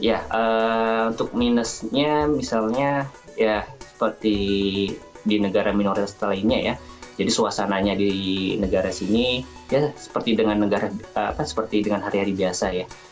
untuk minusnya misalnya seperti di negara minoritas lainnya ya jadi suasananya di negara sini seperti dengan hari hari biasa ya